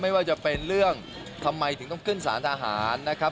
ไม่ว่าจะเป็นเรื่องทำไมถึงต้องขึ้นสารทหารนะครับ